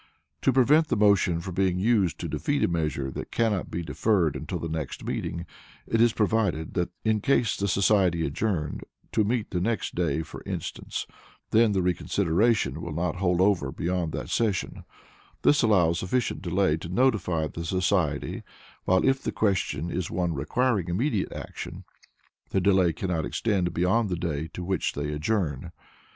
To prevent the motion being used to defeat a measure that cannot be deferred till the next regular meeting, it is provided that in case the society adjourn, to meet the next day for instance, then the reconsideration will not hold over beyond that session; this allows sufficient delay to notify the society, while, if the question is one requiring immediate action, the delay cannot extend beyond the day to which they adjourn.